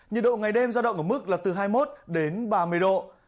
nhật độ ngày đêm ra động ở mức là từ hai mươi một đến ba mươi độ